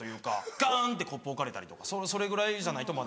ガン！ってコップ置かれたりとかそれぐらいじゃないとまだ。